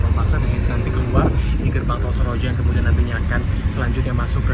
pembangsa dan nanti keluar di gerbang pembangsa soroja yang kemudian nantinya akan selanjutnya masuk ke